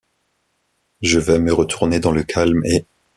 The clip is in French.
Je vais me retourner dans le calme et…